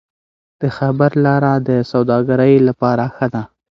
د خیبر لاره د سوداګرۍ لپاره ده.